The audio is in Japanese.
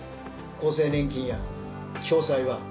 厚生年金や共済は。